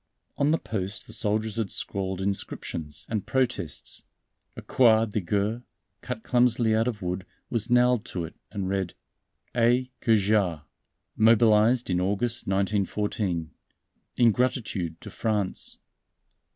On the post the soldiers had scrawled inscriptions and protests. A croix de guerre, cut clumsily of wood, was nailed to it, and read: "A. Cajard, mobilized in August, 1914, in gratitude to France."